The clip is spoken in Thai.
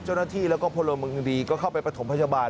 เจ้าหน้าที่แล้วก็พลเมืองดีก็เข้าไปประถมพยาบาล